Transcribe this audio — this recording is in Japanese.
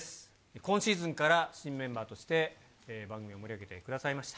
今シーズンから新メンバーとして、番組を盛り上げてくださいました。